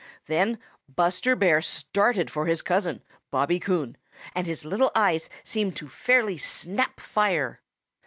Then Buster Bear started for his cousin, Bobby Coon, and his little eyes seemed to fairly snap fire.